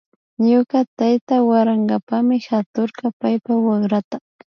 Ñuka tayta warankapami haturka paypa wakrata